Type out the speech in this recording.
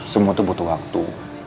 semua tuh butuh waktu